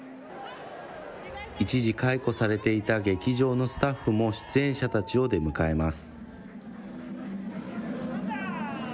一時解雇されていた劇場のスタッフも、出演者たちを出迎えます。